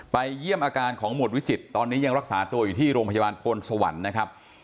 เยี่ยมอาการของหมวดวิจิตตอนนี้ยังรักษาตัวอยู่ที่โรงพยาบาลพลสวรรค์นะครับ